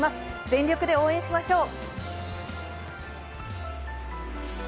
全力で応援しましょう。